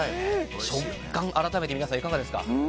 食感、改めて皆さん、いかがですか？